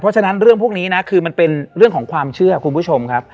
เพราะฉะนั้นเรื่องพวกนี้นะคือมันเป็นเรื่องของความเชื่อคุณผู้ชมครับ